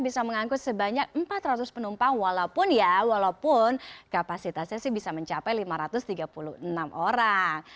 bisa mengangkut sebanyak empat ratus penumpang walaupun ya walaupun kapasitasnya sih bisa mencapai lima ratus tiga puluh enam orang